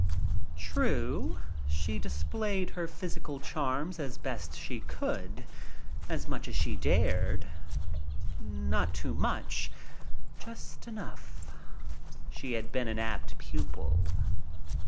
True she displayed her physical charms as best she could — as much as she dared. Not too much — just enough. She had been an apt pupil.